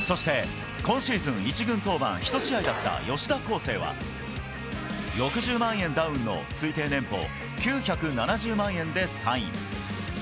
そして、今シーズン１軍登板１試合だった吉田輝星は６０万円ダウンの推定年俸９７０万円でサイン。